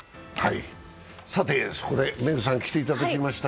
そこでメグさんに来ていただきました。